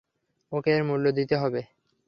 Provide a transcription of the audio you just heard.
ওকে এর মূল্য দিতে হবে!